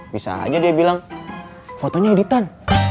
bisa aja dia bilang fotonya editan